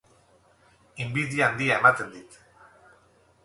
Inbidia handia ematen dit.